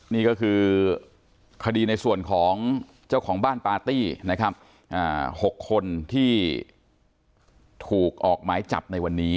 นี่ก็คือคดีในส่วนของเจ้าของบ้านปาร์ตี้นะครับ๖คนที่ถูกออกหมายจับในวันนี้